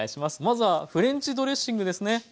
まずはフレンチドレッシングですね。